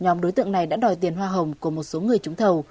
nhóm đối tượng này đã đòi tiền hoa hồng của một số người trúng thầu